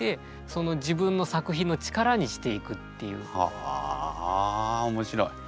はあ面白い。